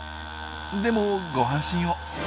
でもご安心を。